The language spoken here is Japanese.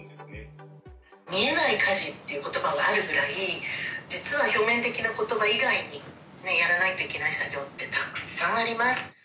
見えない家事っていうことばがあるくらい、実は表面的なことば以外にやらないといけない作業ってたくさんあります。